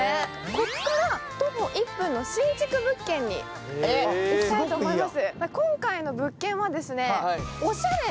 ここから徒歩１分の新築物件に行きたいと思います。